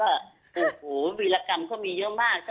อูหูวิธกรรมก็มีเยอะมาก